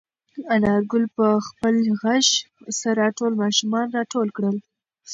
انارګل په خپل غږ سره ټول ماشومان راټول کړل.